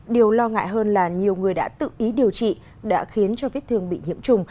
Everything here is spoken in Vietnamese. điều lo ngại hơn là nhiều người đã tự ý điều trị đã khiến cho vết thương bị nhiễm trùng